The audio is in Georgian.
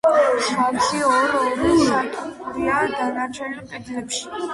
მსგავსი ორ-ორი სათოფურია დანარჩენ კედლებში.